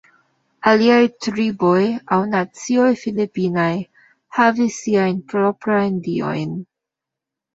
Aliaj triboj aŭ nacioj Filipinaj havis siajn proprajn diojn.